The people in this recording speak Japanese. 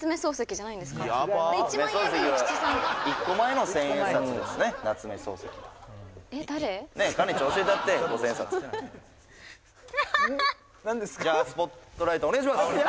じゃあスポットライトお願いします！